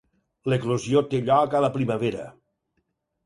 L'eclosió té lloc a la primavera.